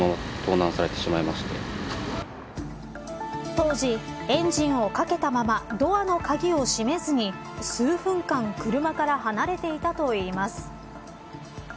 当時エンジンをかけたままドアの鍵を閉めずに数分間車から離れていたといいます。